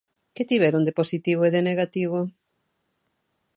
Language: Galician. Que tiveron de positivo e de negativo?